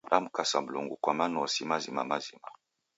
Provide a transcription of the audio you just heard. Damkasa Mlungu kwa manosi mazima-mazima.